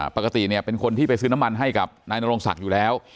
เป็นคนที่ไปซื้อน้ำมันให้กับนายนโรงศักดิ์อยู่แล้ว